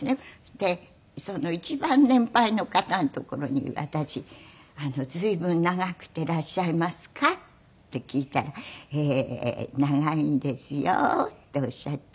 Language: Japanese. で一番年配の方のところに私「随分長くていらっしゃいますか？」って聞いたら「ええ長いんですよ」っておっしゃって。